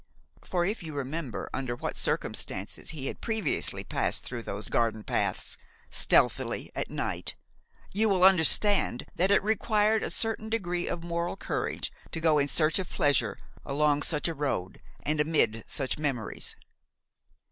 For, if you remember under what circumstances he had previously passed through those garden paths, stealthily, at night, you will understand that it required a certain degree of moral courage to go in search of pleasure along such a road and amid such memories.